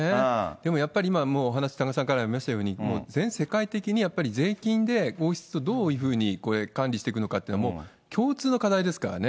でもやっぱり今もお話、多賀さんからもありましたように、全世界的にやっぱり税金で、王室とどういうふうにこれ、管理していくのかっていうの、共通の課題ですからね。